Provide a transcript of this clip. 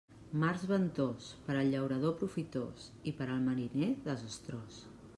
Març ventós, per al llaurador profitós i per al mariner desastrós.